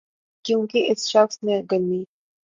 کیونکہ اس شخص نے گرمی